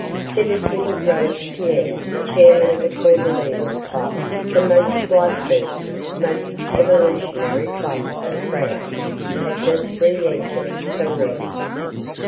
Citizen Robespierre, chairman of the Cordeliers Club, the most bloodthirsty, most Evolutionary club of France, had just re entered the room.